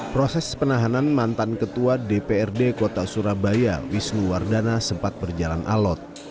proses penahanan mantan ketua dprd kota surabaya wisnu wardana sempat berjalan alot